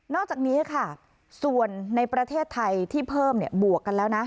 อกจากนี้ค่ะส่วนในประเทศไทยที่เพิ่มบวกกันแล้วนะ